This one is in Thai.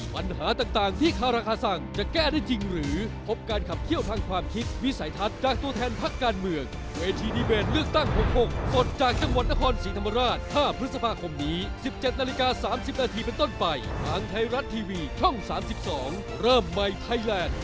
วัน๓๒เริ่มใหม่ไทยแลนด์